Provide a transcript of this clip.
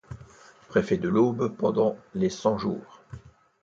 Préfet de l’Aube pendant les Cent-Jours.